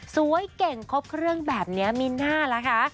สวยเก่งครบเครื่องแบบนี้มีน่าล่ะคะ